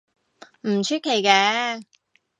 唔出奇嘅